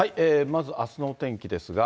まず、あすのお天気ですが。